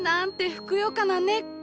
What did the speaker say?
ふくよかな根っこ！